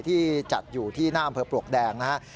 ที่จัดอยู่ที่หน้าอำเภอปลวกแดงนะครับ